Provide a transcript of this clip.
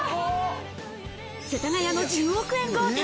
世田谷の１０億円豪邸。